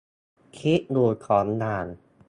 คิดอยู่สองอย่าง